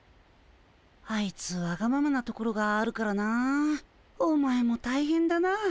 あいつわがままなところがあるからなお前も大変だな。